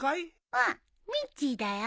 うんミッチーだよ。